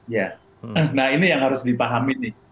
ya nah ini yang harus dipahami nih